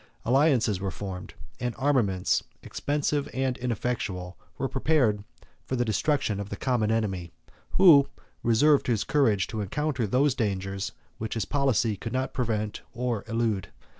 Alliances were formed; and armaments, expensive and ineffectual, were prepared, for the destruction of the common enemy; who reserved his courage to encounter those dangers which his policy could not prevent or elude.